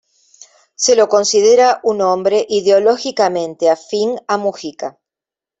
Se lo considera un hombre ideológicamente afín a Mujica.